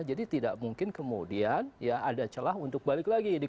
jadi tidak mungkin kemudian ada celah untuk balik lagi